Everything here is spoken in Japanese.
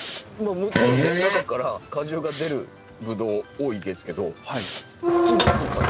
もちろんね中から果汁が出るブドウ多いですけど噴き出す感じ。